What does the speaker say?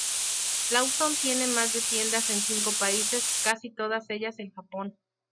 Lawson tiene más de tiendas en cinco países, casi todas ellas en Japón.